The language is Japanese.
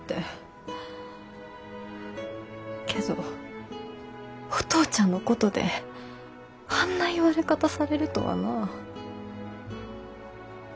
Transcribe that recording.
けどお父ちゃんのことであんな言われ方されるとはなぁ。